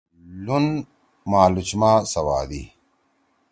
لُن مالوچ ما سوادی۔